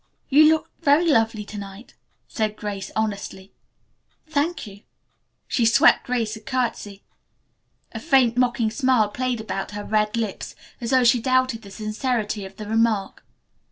"You look very lovely to night," said Grace honestly. "Thank you," she swept Grace a curtsey. A faint mocking smile played about her red lips, as though she doubted the sincerity of the remark.